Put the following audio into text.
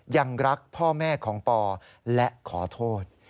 ยังรักพ่อแม่ของปอและขอโทษ